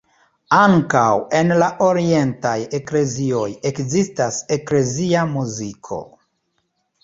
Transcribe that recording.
Ankaŭ en la orientaj eklezioj ekzistas eklezia muziko.